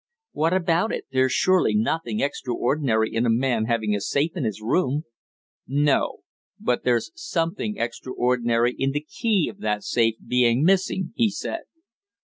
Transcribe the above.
"What about it? There's surely nothing extraordinary in a man having a safe in his room?" "No. But there's something extraordinary in the key of that safe being missing," he said.